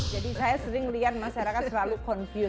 jadi saya sering melihat masyarakat selalu bingung